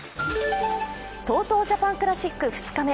ＴＯＴＯジャパンクラシック２日目。